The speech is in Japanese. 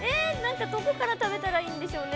◆どこから食べたらいいんでしょうね。